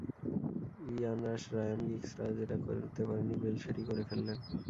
ইয়ান Rush, Ryan গিগসরা যেটা করতে পারেননি, বেল সেটিই করে ফেললেন।